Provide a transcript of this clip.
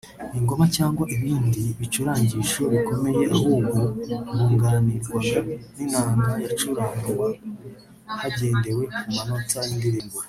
ingoma cyangwa ibindi bicurangisho bikomeye ahubwo bunganirwaga n’inanga yacurangwa hagendewe ku manota y’indirimbo